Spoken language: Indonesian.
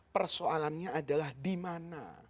persoalannya adalah dimana